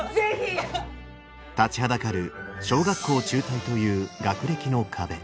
立ちはだかる小学校中退という学歴の壁。